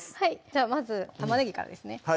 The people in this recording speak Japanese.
じゃあまず玉ねぎからですね